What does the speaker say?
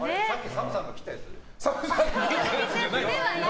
ＳＡＭさんが切ったやつではない。